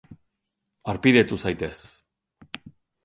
Harpidetu zaitez.